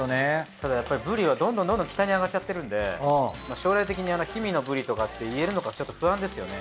ただやっぱりブリはどんどんどんどん北にあがっちゃってるんで将来的に氷見のブリとかっていえるのかちょっと不安ですよね。